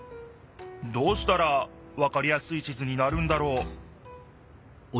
どうしたらわかりやすい地図になるんだろう？